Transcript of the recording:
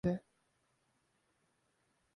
قضیہ یہ ہے کہ کون سر عام سوال اٹھانے کا مجاز ہے؟